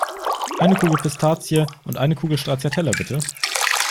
Eine Kugel Pistazie und eine Kugel Stracciatella, bitte!